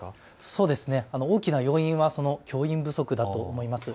そうですね、大きな要因は教員不足だと思います。